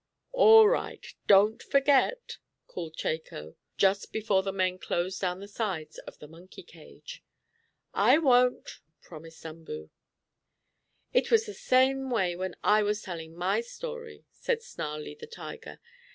"All right, don't forget!" called Chako, just before the men closed down the sides of the monkey cage. "I won't," promised Umboo. "It was the same way when I was telling my story," said Snarlie, the tiger.